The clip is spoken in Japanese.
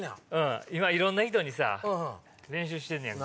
いろんな人に練習してんねん。